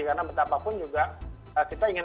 karena betapapun juga kita ingin